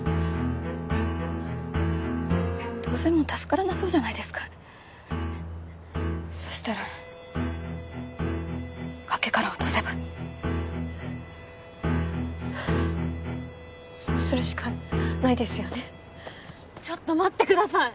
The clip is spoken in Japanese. どうせもう助からなそうじゃないですそしたら崖から落とせばそうするしかないですよねちょっと待ってください！